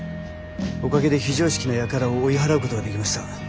おかげで非常識な輩を追い払うことができました。